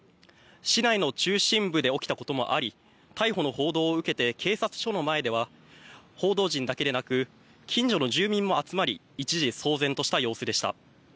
市内の中心部で起きたこともあり逮捕の報道を受けて警察署の前では報道陣だけでなく、近所の住民も集まり一時騒然とした様子でした。